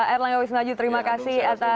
erlang awis maju terima kasih atas